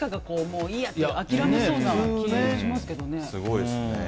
すごいですね。